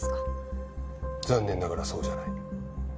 残念ながらそうじゃない。